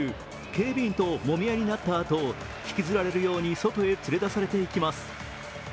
警備員ともみ合いになったあと、引きずられるように外へ連れ出されていきます。